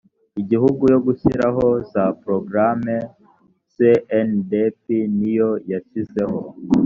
igihugu yo gushyiraho za porogaramu cndp ni yo yashyizeho